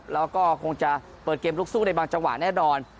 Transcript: แล้วก็คงจะเปิดเกมลุกสู้ในบางจังหวะแน่นอน